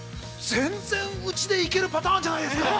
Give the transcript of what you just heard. ◆全然うちで行けるパターンじゃないですか。